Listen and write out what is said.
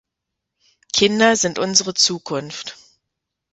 Kinder sind unsere Zukunft.